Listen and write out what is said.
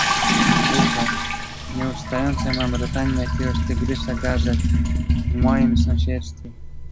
"Suche, nieustające mamrotanie jakiegoś tygrysa gazet w mojem sąsiedztwie."